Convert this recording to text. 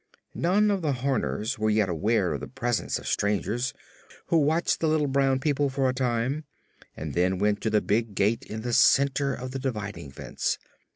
None of the Horners was yet aware of the presence of strangers, who watched the little brown people for a time and then went to the big gate in the center of the dividing fence.